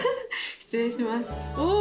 失礼しますおぉ！